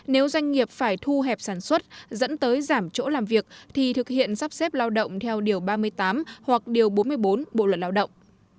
nếu doanh nghiệp phải thu hẹp sản xuất dẫn tới giảm chỗ làm việc thì thực hiện sắp xếp lao động theo điều ba mươi tám hoặc điều bốn mươi bốn bộ luật lao động